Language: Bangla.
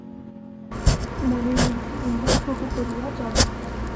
মনের মধ্যে দিনরাত হুহু করিয়া জ্বলে।